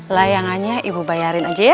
layangannya ibu bayarin aja ya